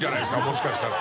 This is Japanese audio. もしかしたら。